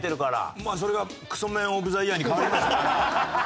まあそれがクソメンオブザイヤーに変わりましたから。